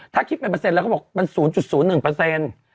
ถ้าคิดเป็นเปอร์เซ็นแล้วเขาบอกมัน๐๐๑เปอร์เซ็นต์